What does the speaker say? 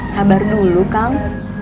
sabar dulu kang